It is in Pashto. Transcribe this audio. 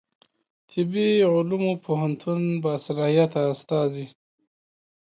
طبي علومو پوهنتون باصلاحیته استازی